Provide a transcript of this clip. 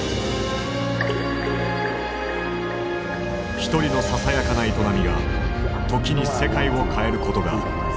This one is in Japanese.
ひとりのささやかな営みが時に世界を変えることがある。